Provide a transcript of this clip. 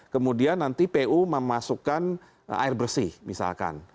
kemudian nanti pu memasukkan air bersih misalkan